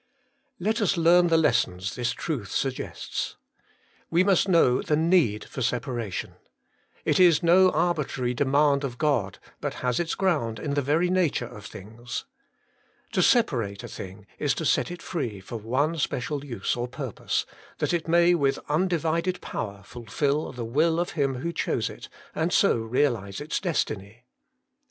Let us learn the lessons this truth suggests. We must know the need for separation. It is no arbi trary demand of God, but has its ground in the very nature of things. To separate a thing is to set it free for one special use or purpose, that it may with undivided power fulfil the will of him who chose it, and so realize its destiny.